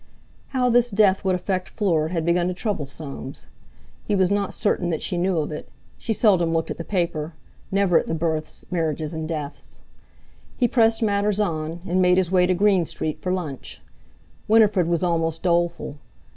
How this death would affect Fleur had begun to trouble Soames. He was not certain that she knew of it—she seldom looked at the paper, never at the births, marriages, and deaths. He pressed matters on, and made his way to Green Street for lunch. Winifred was almost doleful.